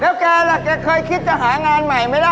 แล้วแกล่ะแกเคยคิดจะหางานใหม่ไหมล่ะ